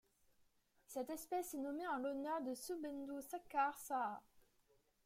Cette espèce est nommée en l'honneur de Subhendu Sekhar Saha.